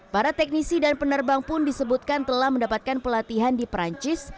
para teknisi dan penerbang pun disebutkan telah mendapatkan pelatihan di perancis